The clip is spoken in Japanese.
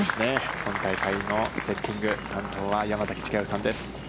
今大会のセッティング担当は山崎千佳代さんです。